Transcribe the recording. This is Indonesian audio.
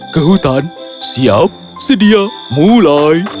ke hutan siap sedia mulai